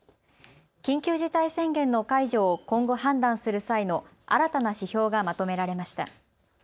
緊急事態宣言の解除を今後、判断する際の新たな指標がまとめられました。